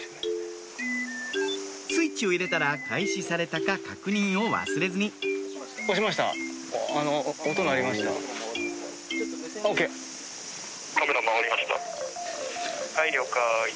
スイッチを入れたら開始されたか確認を忘れずにカメラ回りました。